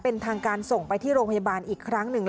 เป็นทางการส่งไปที่โรงพยาบาลอีกครั้งหนึ่ง